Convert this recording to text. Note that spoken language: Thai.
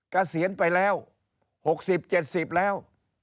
เกษียณไปแล้ว๖๐๗๐แล้ว